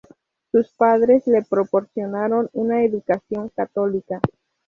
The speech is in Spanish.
Sus padres le proporcionan una educación católica.